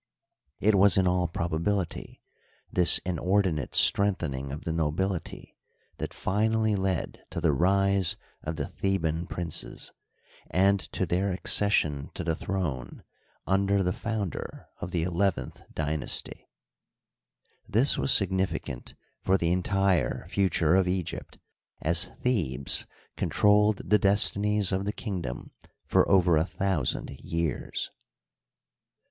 It was in all probability this mordinate strength ening of the nobility that finally led to the rise of the Theban princes, and to their accession to the throne under the founder of the eleventh dynasty. This was significant for the entire future of Egypt, as Thebes con trolled the destinies of the kingdom for over a thousand years.